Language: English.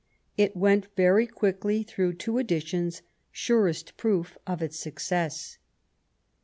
It went very quickly through two editions, surest proof of its success.